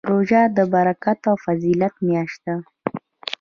روژه د برکت او فضیله میاشت ده